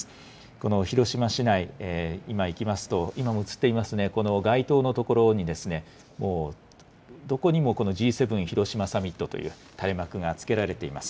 この広島市内、今、いきますと、今も映っていますね、この街灯の所にどこにもＧ７広島サミットという垂れ幕がつけられています。